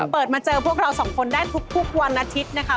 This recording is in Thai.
เปิดมาเจอพวกเราสองคนได้ทุกวันอาทิตย์นะคะ